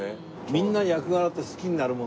みんな役柄って好きになるもんですか？